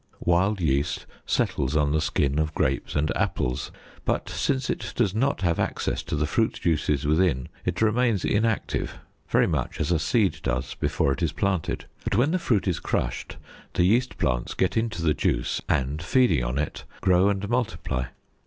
Wild yeast settles on the skin of grapes and apples, but since it does not have access to the fruit juices within, it remains inactive very much as a seed does before it is planted. But when the fruit is crushed, the yeast plants get into the juice, and feeding on it, grow and multiply.